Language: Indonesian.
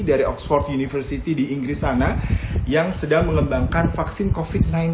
dari oxford university di inggris sana yang sedang mengembangkan vaksin covid sembilan belas